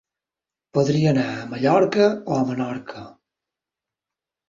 Podria anar a Mallorca o a Menorca.